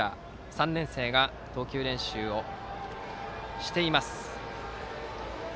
３年生の選手が投球練習をしています。